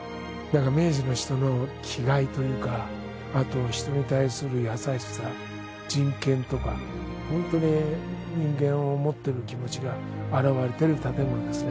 明治の人の気概というかあと人に対する優しさ人権とか本当に人間を思ってる気持ちが表れてる建物ですね。